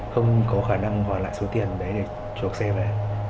không có khả năng bỏ lại số tiền đấy để chuộc xe về